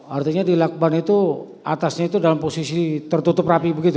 artinya di lakban itu atasnya itu dalam posisi tertutup rapi begitu